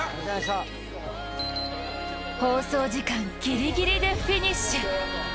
放送時間ギリギリでフィニッシュ。